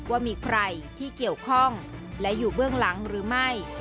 ว่ามีใครที่เกี่ยวข้องและอยู่เบื้องหลังหรือไม่